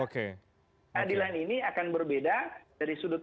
keadilan ini akan berbeda dari sudut